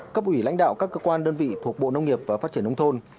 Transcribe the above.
cấp ủy lãnh đạo các cơ quan đơn vị thuộc bộ nông nghiệp và phát triển nông thôn